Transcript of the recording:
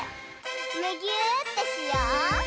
むぎゅーってしよう！